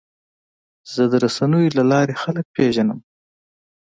زه د رسنیو له لارې خلک پیژنم.